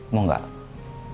mau enggak kita ngobrol sementara